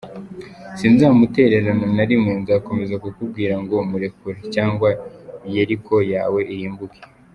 Sinzamutererana na rimwe, nzakomeza kukubwira ngo murekure, cg Yeriko yawe irimbuke.